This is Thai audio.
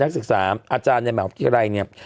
นักศึกษาอาจารย์ในแหมวภิกษาไทยเนี่ย